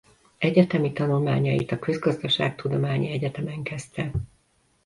Egyetemi tanulmányait a Közgazdaságtudományi Egyetemen kezdte.